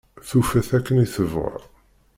Tufa-t akken i tebɣa.